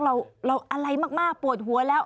อะไรมากปวดหัวแล้ว